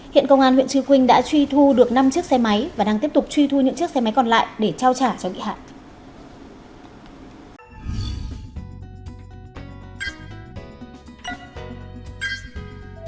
hiện công an huyện trư quynh đã truy thu được năm chiếc xe máy và đang tiếp tục truy thu những chiếc xe máy còn lại để trao trả cho bị hại